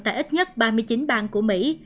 tại ít nhất ba mươi chín bang của mỹ